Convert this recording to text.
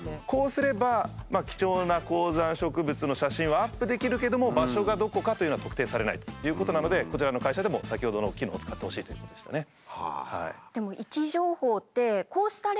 こうすれば貴重な高山植物の写真をアップできるけども場所がどこかというのは特定されないということなのでこちらの会社でも先ほどの機能を使ってほしいということでしたね。